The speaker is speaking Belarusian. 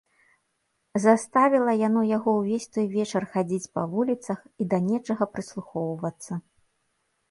Заставіла яно яго ўвесь той вечар хадзіць па вуліцах і да нечага прыслухоўвацца.